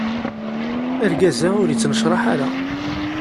Argaz-a ur ittnecraḥ ara.